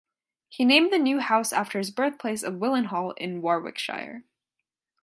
He named the new house after his birthplace of Willenhall in Warwickshire.